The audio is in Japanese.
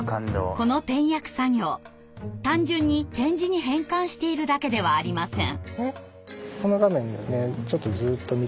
この点訳作業単純に点字に変換しているだけではありません。